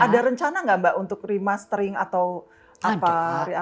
ada rencana nggak mbak untuk remastering atau apa